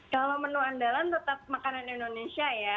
kalau menu andalan tetap makanan indonesia ya